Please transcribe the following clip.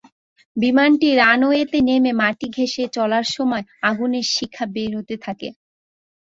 বিমানটি রানওয়েতে নেমে মাটি ঘেঁষে চলার সময় আগুনের শিখা বের হতে থাকে।